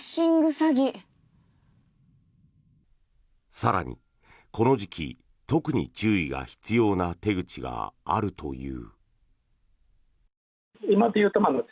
更に、この時期特に注意が必要な手口があるという。